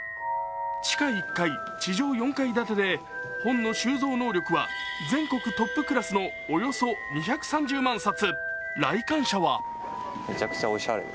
地下１階、地上４階建てで本の収蔵能力は全力トップクラスの２３０万冊。